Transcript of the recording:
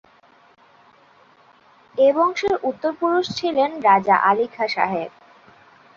এ বংশের উত্তর পুরুষ ছিলেন রাজা আলী খাঁ সাহেব।